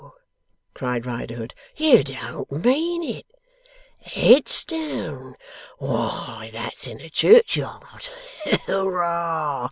cried Riderhood. 'You don't mean it? Headstone! Why, that's in a churchyard.